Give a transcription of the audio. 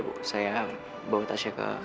gue yang siapin